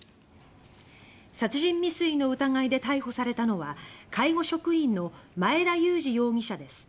殺人未遂の疑いで逮捕されたのは介護職員の前田祐二容疑者です。